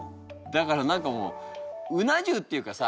だから何かもううな重っていうかさ